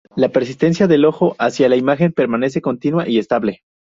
La persistencia del ojo hacia la imagen permanece continua y estable.